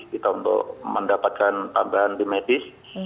kita untuk mendapatkan tambahan tim medis